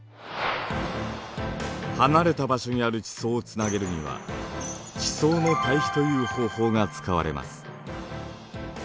離れた場所にある地層をつなげるには地層の対比という方法が使われます。